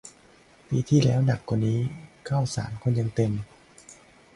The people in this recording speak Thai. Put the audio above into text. ปีที่แล้วหนักกว่านี้ ข้าวสารคนยังเต็มเลย